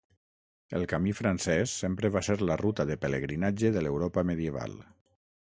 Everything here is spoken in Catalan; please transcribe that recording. El camí francès sempre va ser la ruta de pelegrinatge de l’Europa medieval.